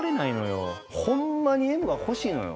ホンマにＭが欲しいのよ。